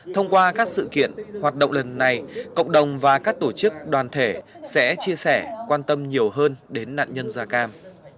thông qua các sự kiện hoạt động lần này cộng đồng và các tổ chức đoàn thể sẽ chia sẻ quan tâm nhiều hơn đến nạn nhân da cam